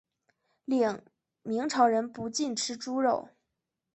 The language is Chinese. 另明朝人不禁吃猪肉。